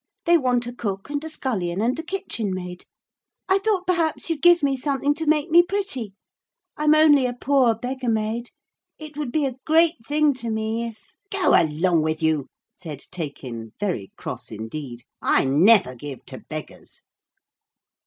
They want a cook and a scullion and a kitchenmaid. I thought perhaps you'd give me something to make me pretty. I'm only a poor beggar maid.... It would be a great thing to me if....' 'Go along with you,' said Taykin, very cross indeed. 'I never give to beggars.'